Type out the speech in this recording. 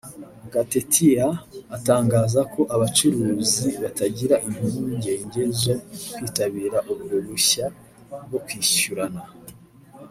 Gatetea atangaza ko abacuruzi batagira impungenge zo kwitabira ubwo bushya bwo kwishyurana